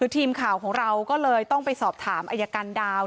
ทีมข่าวของเราก็เลยต้องไปสอบถามอายการดาว